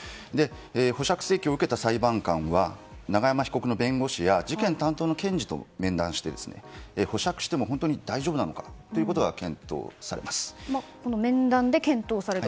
保釈請求を受けた裁判官は永山被告の弁護士や事件担当の検事と面談して保釈しても本当に大丈夫なのかということが面談で検討される。